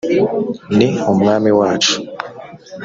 ni umwami wacu.